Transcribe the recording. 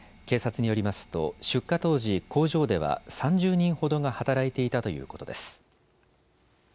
警察によりますと出火当時、工場では３０人ほどが働いていたということです。